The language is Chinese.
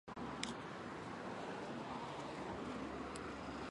毕业于国防大学军事指挥专业。